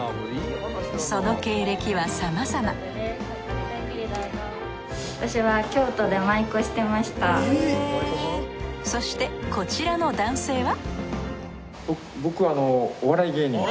その経歴はさまざまそしてこちらの男性は？